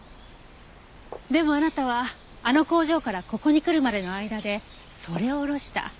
でもあなたはあの工場からここに来るまでの間でそれを降ろした。